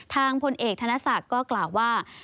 พลเอกธนศักดิ์ก็กล่าวว่า